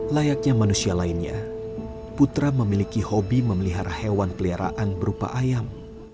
layaknya manusia lainnya putra memiliki hobi memelihara hewan peliharaan berupa ayam